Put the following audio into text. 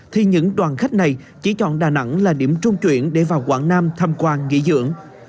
thì những đoàn khách này chỉ chọn đà nẵng là điểm trung chuyển để vào quảng nam tham quan nghỉ dưỡng